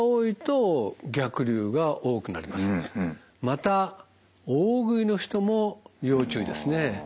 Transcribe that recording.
また大食いの人も要注意ですね。